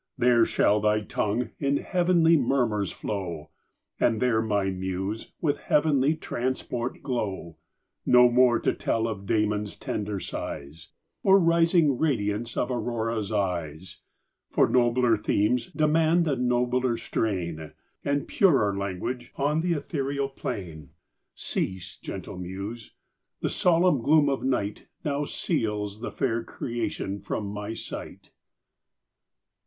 There shall thy tongue in heav'nly murmurs flow, And there my muse with heav'nly transport glow: No more to tell of Damon's tender sighs, Or rising radiance of Aurora's eyes, For nobler themes demand a nobler strain, And purer language on th' ethereal plain. Cease, gentle muse! the solemn gloom of night Now seals the fair creation from my sight.